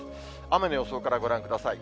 雨の予想からご覧ください。